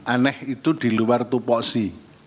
aneh itu di luar tupoksi